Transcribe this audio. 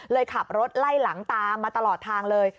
ขับรถไล่หลังตามมาตลอดทางเลย